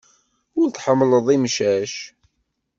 Ur tḥemmleḍ imcac.